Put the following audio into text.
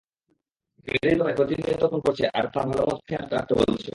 গাড়ির ব্যাপারে প্রতিনিয়ত ফোন করছে, আর তোর ভালোমতো খেয়াল রাখতে বলছে।